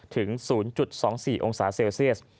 ถึง๐๒๔องศาเซลเซียส